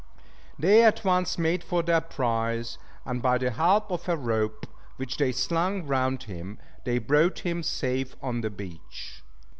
They at once made for their prize; and by the help of a rope, which they slung round him, they brought him safe on the beach.